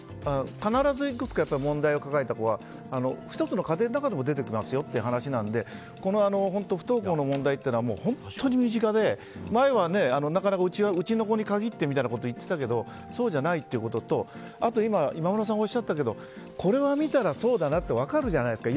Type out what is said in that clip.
必ず１つ問題を抱えた子は１つの家庭の中でも出てきますよという話なので不登校の問題というのは本当に身近で前は、なかなかうちの子に限ってみたいなことを言ってたけどそうじゃないということとあと、今村さんがおっしゃったけどこれを見たらそうだなって分かるじゃないですか。